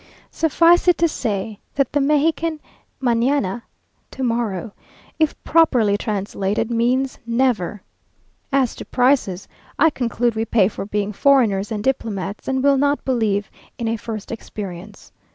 Suffice it to say, that the Mexican manana (to morrow), if properly translated, means never. As to prices, I conclude we pay for being foreigners and diplomates, and will not believe in a first experience.